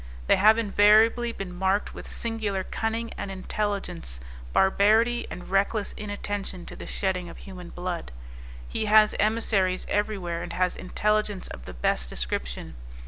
They have invariably been marked with singular cunning and intelligence, barbarity, and reckless inattention to the shedding of human blood. He has emissaries every where, and has intelligence of the best description.